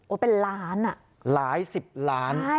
โอ้เป็นล้านอะใช่หลายสิบล้าน